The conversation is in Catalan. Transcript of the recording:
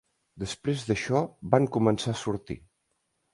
Després d'això van començar a sortir.